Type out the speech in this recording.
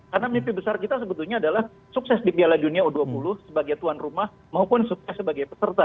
karena mimpi besar kita sebetulnya adalah sukses di piala dunia u dua puluh sebagai tuan rumah maupun sukses sebagai peserta